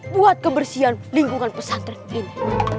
buat kebersihan lingkungan pesantren ini